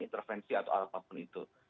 intervensi atau apapun itu